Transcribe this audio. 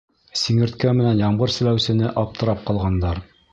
Сиңерткә менән ямғыр селәүсене аптырап ҡалғандар: